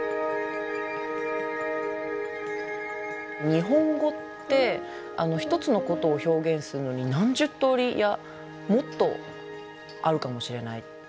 日本語って一つのことを表現するのに何十とおりいやもっとあるかもしれない。